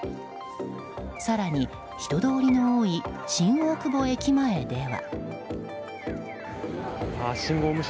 更に、人通りの多い新大久保駅前では。